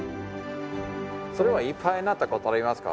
それはいっぱいになったことはありますか？